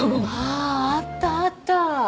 あぁあったあった。